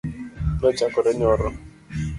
Nochakore nyoro.